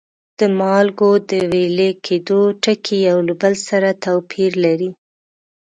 د مالګو د ویلي کیدو ټکي یو له بل سره توپیر لري.